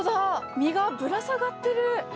実がぶら下がってる！